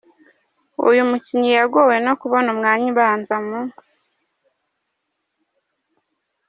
uyu mukinnyi yagowe no kubona umwanya ubanza mu